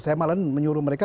saya malah menyuruh mereka